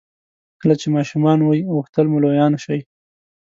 کله چې ماشومان وئ غوښتل مو لویان شئ.